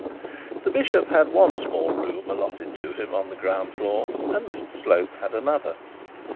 The bishop had one small room allotted to him on the ground floor, and Mr Slope had another.